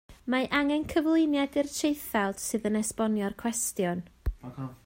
Mae angen cyflwyniad i'r traethawd sydd yn esbonio'r cwestiwn